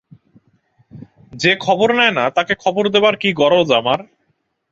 যে খবর নেয় না তাকে খবর দেবার কী গরজ আমার?